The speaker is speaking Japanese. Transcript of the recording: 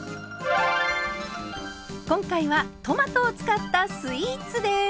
今回はトマトを使ったスイーツです。